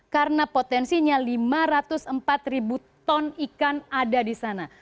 karena potensinya lima ratus empat ton ikan ada di sana